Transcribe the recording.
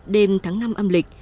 đêm tháng năm âm lịch